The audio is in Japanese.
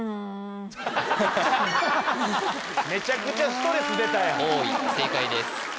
めちゃくちゃストレス出たよ「王位」正解です